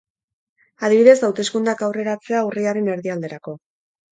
Adibidez, hauteskundeak aurreratzea urriaren erdialderako.